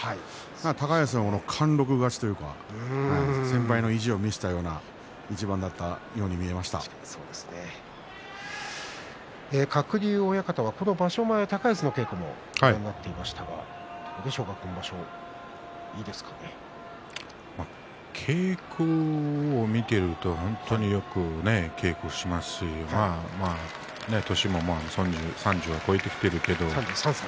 高安は貫禄勝ちというか先輩の意地を見せたような鶴竜親方は場所前、高安の稽古もご覧になっていましたがどうでしょうか稽古を見ていると、本当によく稽古をしていますし年も３０を越えてきているけど。